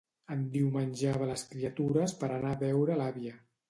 Endiumenjava les criatures per anar a veure l'àvia.